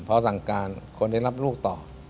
พอสั่งการคนได้รับลูกต่อ